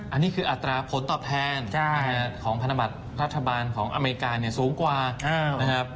อันนี้คืออัตราผลตอบแทนของธนบัตรรัฐบาลของอเมริกาเนี่ยสูงกว่านะครับ